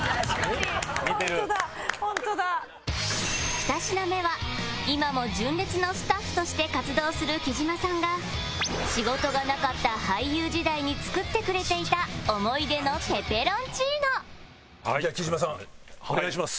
２品目は今も純烈のスタッフとして活動する木島さんが仕事がなかった俳優時代に作ってくれていた思い出のペペロンチーノじゃあ木島さんお願いします。